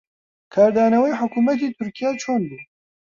کاردانەوەی حکوومەتی تورکیا چۆن بوو؟